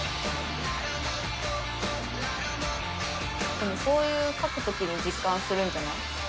でもそういう書く時に実感するんじゃない？